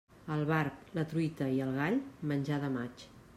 El barb, la truita i el gall, menjar de maig.